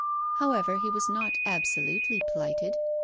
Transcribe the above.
However, he was not absolutely plighted.